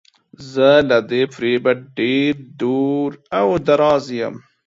زه له دې فریبه ډیر دور او دراز یم.